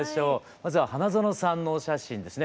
まずは花園さんのお写真ですね。